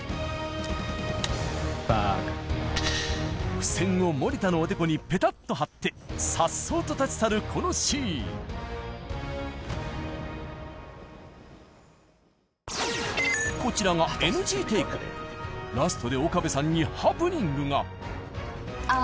付箋を森田のおでこにペタッと貼って颯爽と立ち去るこのシーンこちらがＮＧテイクラストで岡部さんにハプニングがああ